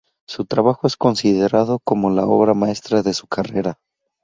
Su trabajo es considerado como la obra maestra de su carrera.